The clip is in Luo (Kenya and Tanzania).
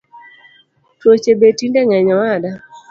Tuoche betinde ngeny owada